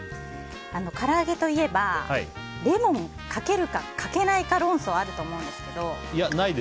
から揚げといえばレモンをかけるかかけないか論争があると思うんですけど。